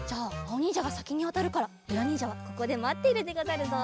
おにんじゃがさきにわたるからゆらにんじゃはここでまっているでござるぞ。